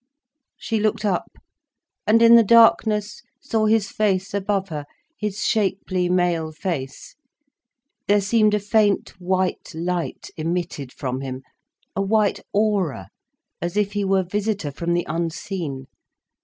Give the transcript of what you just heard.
She looked up, and in the darkness saw his face above her, his shapely, male face. There seemed a faint, white light emitted from him, a white aura, as if he were visitor from the unseen.